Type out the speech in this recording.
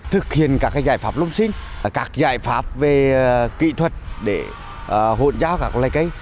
thực hiện các giải pháp lung sinh các giải pháp về kỹ thuật để hộn giao các loài cây